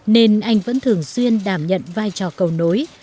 nên anh vẫn thường xuyên đảm nhận vai trò cầu nối